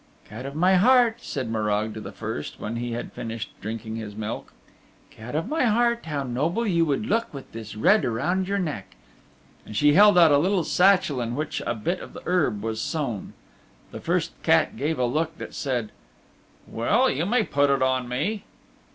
"Cat of my heart," said Morag to the first, when he had finished drinking his milk. "Cat of my heart! How noble you would look with this red around your neck." She held out a little satchel in which a bit of the herb was sewn. The first cat gave a look that said, "Well, you may put it on me."